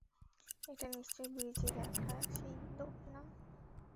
এটা নিশ্চয়ই ব্রিজে দেখা সেই লোক, না?